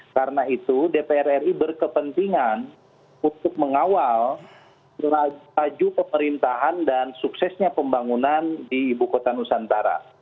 karena itu dpr ri berkepentingan untuk mengawal tajuk pemerintahan dan suksesnya pembangunan di ibu kota nusantara